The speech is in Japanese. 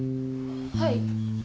はい。